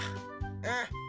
うん。